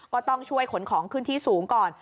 ก็ต้องช่วยขนของขึ้นที่สูงก่อน